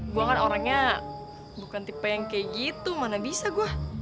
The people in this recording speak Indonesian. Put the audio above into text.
gue kan orangnya bukan tipe yang kayak gitu mana bisa gue